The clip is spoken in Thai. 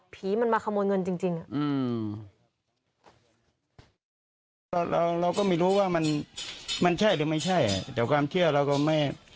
ผีมันมาขโมยเงินจริงจริงอืมเราก็ไม่รู้ว่ามันมันใช่หรือไม่ใช่แต่ความเชื่อเราก็ไม่